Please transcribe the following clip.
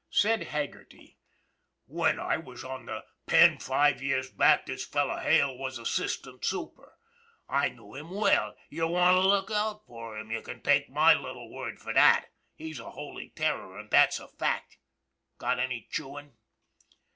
Said Haggerty :" When I was on the Penn five years back, this fellow Hale was assistant super. I knew him well. You wanter look out for him, you can take my little word for that. He's a holy terror, an* that's a fact. Got any chewin' ?